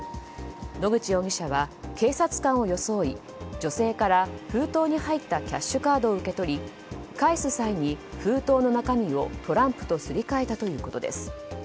野口容疑者は警察官を装い女性から封筒に入ったキャッシュカードを受け取り返す際に封筒の中身をトランプとすり替えたということです。